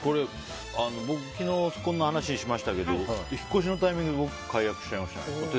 僕、昨日引っ越しの話しましたけれど引っ越しのタイミングで解約しちゃいました。